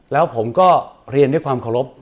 แล้วผมก็เรียนด้วยความเคารพ